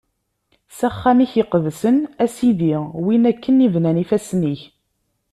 S axxam-ik iqedsen, a Sidi, win akken i bnan ifassen-ik.